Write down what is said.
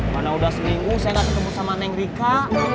mana udah seminggu saya gak ketemu sama neng rika